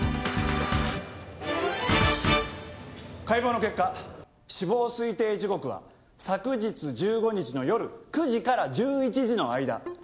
解剖の結果死亡推定時刻は昨日１５日の夜９時から１１時の間。